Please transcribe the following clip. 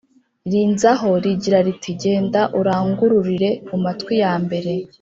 rinzaho rigira riti genda urangururire mu matwi yambere